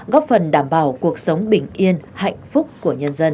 góp phần đảm bảo cuộc sống bình yên hạnh phúc của nhân dân